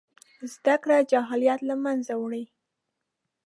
زده کړې جهالت له منځه وړي.